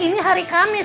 ini hari kamis